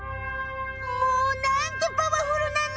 もうなんてパワフルなの！